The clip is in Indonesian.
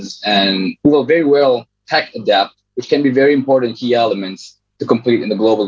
sangat baik mengadaptasi teknologi yang sangat penting elemen utama untuk selesai di pasar global